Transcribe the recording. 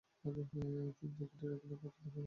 জিন জ্যাকেটের তো এটা পছন্দ হয়নি, ঠিক না?